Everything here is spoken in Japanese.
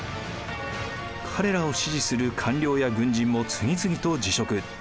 彼らを支持する官僚や軍人も次々と辞職。